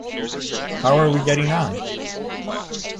How are we getting on?.